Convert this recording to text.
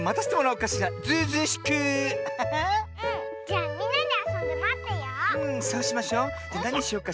じゃみんなであそんでまってよう。